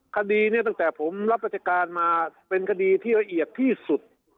คดีเนี่ยตั้งแต่ผมรับราชการมาเป็นคดีที่ละเอียดที่สุด